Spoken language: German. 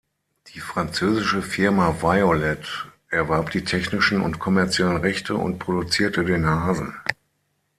Die französische Firma "Violet" erwarb die technischen und kommerziellen Rechte und produzierte den Hasen.